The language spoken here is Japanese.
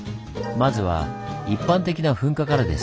まずは一般的な噴火からです。